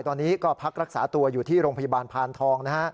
ตอนนี้ก็พักรักษาตัวอยู่ที่โรงพยาบาลพานทองนะฮะ